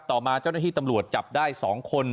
ต่อมาเจ้าหน้าที่ตำรวจจับได้๒คน